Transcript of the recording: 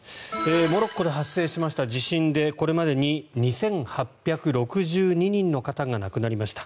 モロッコで発生しました地震でこれまでに２８６２人の方が亡くなりました。